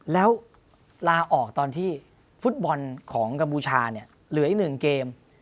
แล้วลาออกตอนที่ฟุตบอลของกาบูชาเหลืออีกหนึ่งเกม